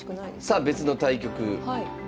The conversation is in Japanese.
さあ別の対局。